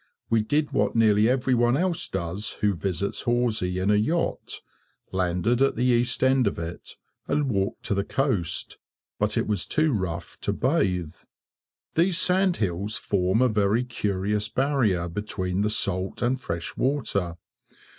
We did what nearly every one else does who visits Horsey in a yacht; landed at the east end of it, and walked to the coast, but it was too rough to bathe. These sand hills form a very curious barrier between the salt and fresh water.